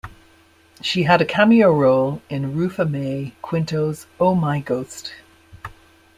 She had a cameo role in Rufa Mae Quinto's Oh My Ghost!